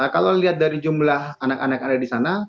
kalau lihat dari jumlah anak anak yang ada di sana